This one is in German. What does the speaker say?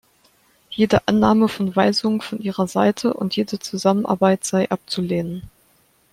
Jede Annahme von Weisungen von ihrer Seite und jede Zusammenarbeit sei abzulehnen.